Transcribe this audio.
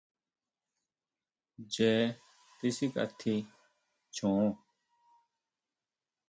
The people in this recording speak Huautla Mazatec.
Ncheé tisikatji chjon.